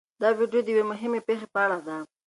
دا ویډیو د یوې مهمې پېښې په اړه ده.